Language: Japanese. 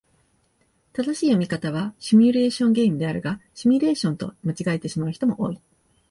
正しい読み方はシミュレーションゲームであるが、シュミレーションと間違えてしまう人も多い。